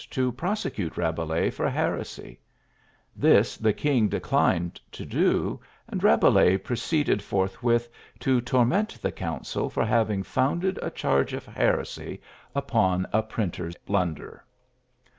to prosecute Rabelais for heresy; this the king declined to do, and Rabelais proceeded forthwith to torment the council for having founded a charge of heresy upon a printer's blunder.